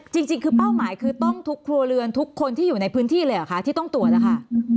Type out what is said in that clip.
จริงคือเป้าหมายคือต้องทุกครัวเรือนทุกคนที่อยู่ในพื้นที่เลยเหรอคะที่ต้องตรวจนะคะ